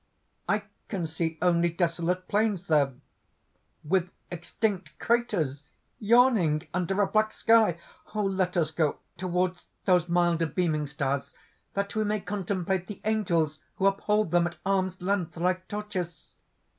"I can see only desolate plains there, with extinct craters yawning under a black sky! "Let us go towards those milder beaming stars, that we may contemplate the angels who uphold them at arms' length, like torches!"